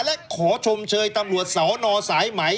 และขอชมเชยตำรวจสนสายไหม